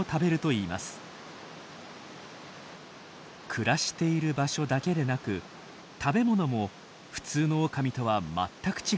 暮らしている場所だけでなく食べ物も普通のオオカミとは全く違うんです。